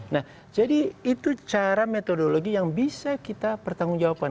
nah jadi itu cara metodologi yang bisa kita pertanggungjawabkan